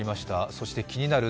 そして気になる